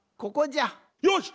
よし！